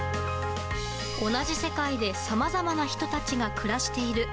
同じ世界で、さまざまな人たちが暮らしている。